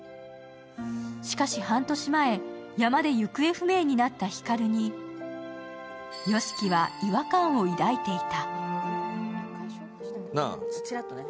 しかし半年前、山で行方不明になった光によしきは違和感を抱いていた。